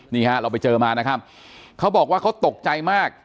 นี่ฮะเราไปเจอมานะครับเขาบอกว่าเขาตกใจมาก